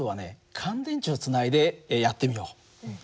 乾電池をつないでやってみよう。